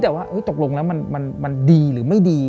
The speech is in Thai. แต่ว่าตกลงแล้วมันดีหรือไม่ดี